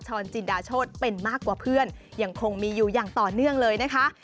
จินดาโชธเป็นมากกว่าเพื่อนยังคงมีอยู่อย่างต่อเนื่องเลยนะคะ